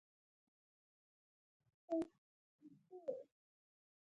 د نجونو هیلې او ماڼۍ ونړېدې